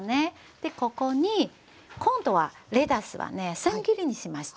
でここに今度はレタスはねせん切りにしました。